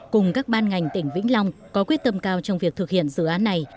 cùng các ban ngành tỉnh vĩnh long có quyết tâm cao trong việc thực hiện dự án này